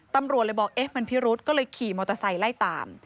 ตำรวจเลยบอกเอ๊ะมันพิรุษก็เลยขี่มอเตอร์ไซค์ไล่ตาม